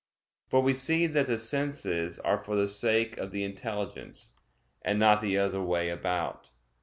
For we see that the senses are for the sake of the intelligence, and not the other way about.